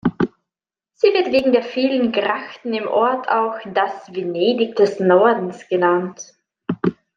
Sie wird wegen der vielen Grachten im Ort auch „das Venedig des Nordens“ genannt.